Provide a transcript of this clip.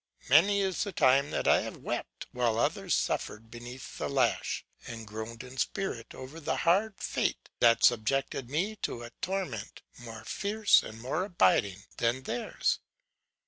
Many is the time that I have wept while others suffered beneath the lash, and groaned in spirit over the hard fate that subjected me to a torment more fierce and more abiding than theirs.